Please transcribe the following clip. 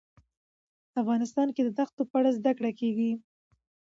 افغانستان کې د دښتو په اړه زده کړه کېږي.